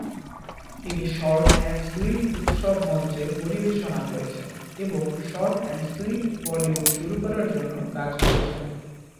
তিনি short and sweet উৎসব মঞ্চে পরিবেশনা করেছেন এবং শর্ট অ্যান্ড সুইট বলিউড শুরু করার জন্য কাজ করেছেন।